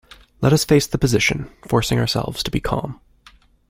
Let us face the position, forcing ourselves to be calm.